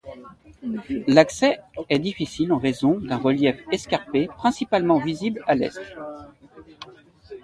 L’accès est difficile en raison d'un relief escarpé principalement visible à l’est.